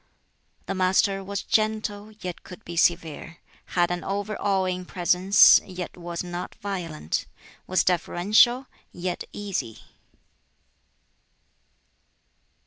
The Master was gentle, yet could be severe; had an over awing presence, yet was not violent; was deferential, yet easy.